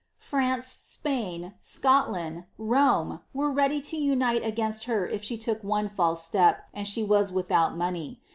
France, Spain, Scotland, Rome, were ready to anite agaii her if she took one &lse step; and she was without money.